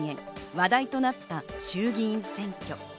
話題となった衆議院選挙。